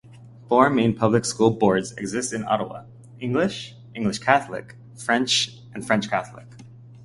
Four main public school boards exist in Ottawa: English, English-Catholic, French, and French-Catholic.